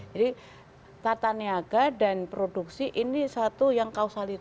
jadi tata niaga dan produksi ini satu yang harusnya dilakukan